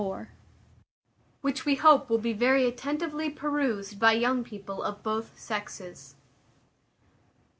Which we hope will be very attentively perused by young people of both sexes.